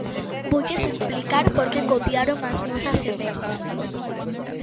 Voulles explicar por que copiaron as nosas emendas.